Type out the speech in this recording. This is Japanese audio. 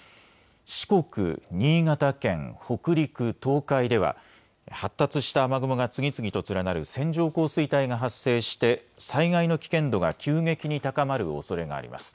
四国、新潟県、北陸、東海では発達した雨雲が次々と連なる線状降水帯が発生して災害の危険度が急激に高まるおそれがあります。